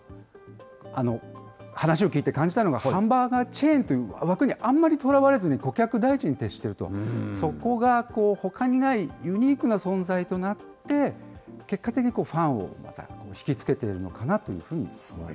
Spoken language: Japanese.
話を聞いて感じたのが、ハンバーガーチェーンという枠にあんまりとらわれずに顧客第一に徹していると、そこがほかにないユニークな存在となって、結果的にファンを引き付けてるのかなというふうに思いました。